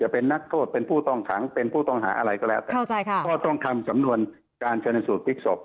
เป็นนักโทษเป็นผู้ต้องหางเป็นผู้ต้องหาอะไรก็แหละแต่ก็ต้องทำสำนวนการชัดเนินสูตรฟิกษพ